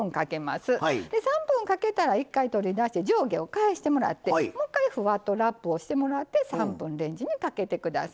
３分かけたら一回取り出して上下を返してもらってもう一回ふわっとラップをしてもらって３分レンジにかけてください。